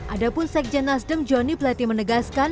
adapun sekjen nasdem joni platy menegaskan